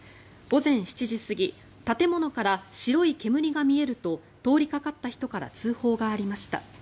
午前７時過ぎ建物から白い煙が見えると通りかかった人から通報がありました。